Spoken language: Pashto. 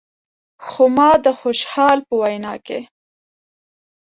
خو ما د خوشحال په وینا کې.